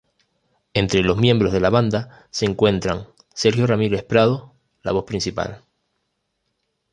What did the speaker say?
Entre los miembros de banda se encuentran Sergio Ramírez Prado, la voz principal.